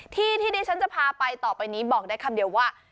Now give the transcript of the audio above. ที่ที่ดิฉันจะพาไปต่อไปนี้บอกได้คำเดียวว่า